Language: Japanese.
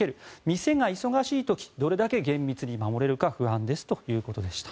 店が忙しい時どれだけ厳密に守れるか不安ですということでした。